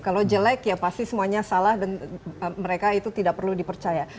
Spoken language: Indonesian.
kalau jelek ya pasti semuanya salah dan mereka itu tidak perlu dipercaya